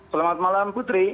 selamat malam putri